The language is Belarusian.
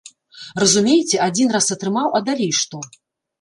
Разумееце, адзін раз атрымаў, а далей што?